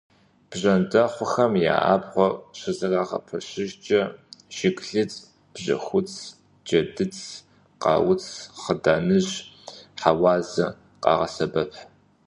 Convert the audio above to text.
Бжэндэхъухэм я абгъуэр щызэрагъэпэщыжкӀэ жыглыц, бжьэхуц, джэдыц, къауц, хъыданыжь, хьэуазэ къагъэсэбэп.